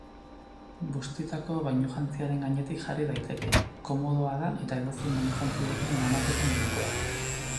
Bustitako bainujantziaren gainetik jarri daiteke, komodoa da eta edozein bainujantzirekin eramateko modukoa.